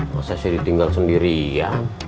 masa saya tinggal sendirian